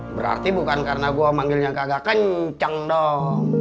berarti bukan karena gue manggilnya kagak kencang dong